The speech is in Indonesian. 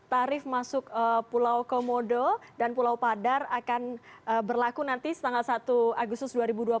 tarif masuk pulau komodo dan pulau padar akan berlaku nanti tanggal satu agustus dua ribu dua puluh satu